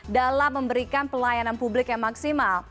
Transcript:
dalam memberikan pelayanan publik yang maksimal